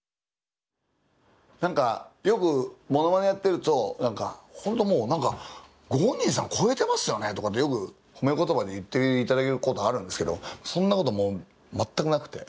何かよくモノマネやってると「何か本当もう何かご本人さん超えてますよね」とかってよく褒め言葉で言っていただけることあるんですけどそんなこともう全くなくて。